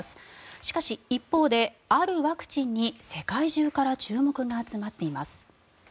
しかし、一方であるワクチンに世界中から注目が集まっています。